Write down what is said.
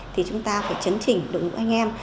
thì chúng ta phải chấn chỉnh đồng hữu anh em